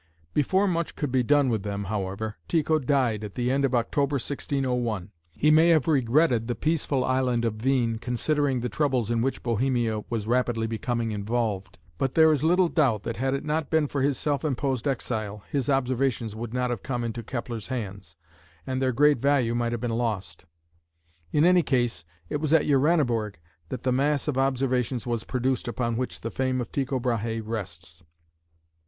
Before very much could be done with them, however, Tycho died at the end of October, 1601. He may have regretted the peaceful island of Hveen, considering the troubles in which Bohemia was rapidly becoming involved, but there is little doubt that had it not been for his self imposed exile, his observations would not have come into Kepler's hands, and their great value might have been lost. In any case it was at Uraniborg that the mass of observations was produced upon which the fame of Tycho Brahe rests.